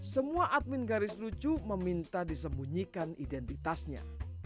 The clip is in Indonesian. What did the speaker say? semua admin garis lucu meminta disembunyikan identitasnya